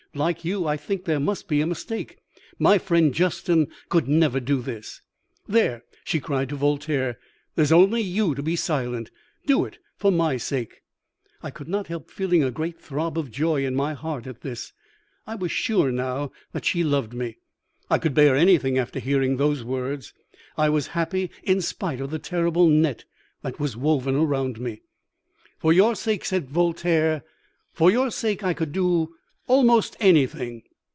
Like you, I think there must be a mistake. My friend Justin could never do this.' "'There,' she cried to Voltaire; 'there's only you to be silent. Do it for my sake!'" I could not help feeling a great throb of joy in my heart at this. I was sure now that she loved me. I could bear anything after hearing those words. I was happy in spite of the terrible net that was woven around me. "'For your sake,' said Voltaire 'for your sake I could do almost anything.